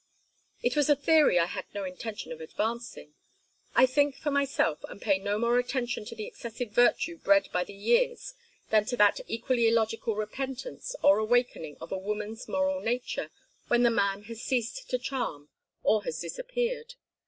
"It was a theory I had no intention of advancing. I think for myself and pay no more attention to the excessive virtue bred by the years than to that equally illogical repentance or awakening of a woman's moral nature when the man has ceased to charm or has disappeared.